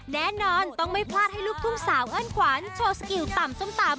แน่นอนต้องไม่พลาดให้ลูกทุ่งสาวเอิ้นขวานโชว์สกิลต่ำส้มตำ